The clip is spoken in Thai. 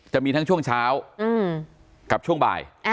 จะมีทั้งช่วงเช้ากับช่วงบ่าย